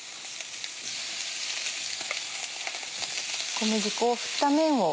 小麦粉を振った面を。